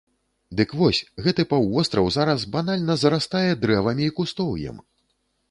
Дык вось, гэты паўвостраў зараз банальна зарастае дрэвамі і кустоўем!